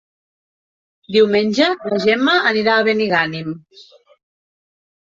Diumenge na Gemma anirà a Benigànim.